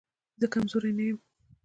زه کمزوری نه يم